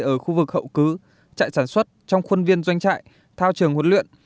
ở khu vực hậu cứ trại sản xuất trong khuôn viên doanh trại thao trường huấn luyện